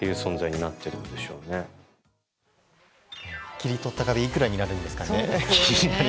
切り取った壁いくらになるんでしょうね。